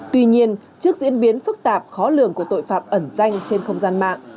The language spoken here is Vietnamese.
tuy nhiên trước diễn biến phức tạp khó lường của tội phạm ẩn danh trên không gian mạng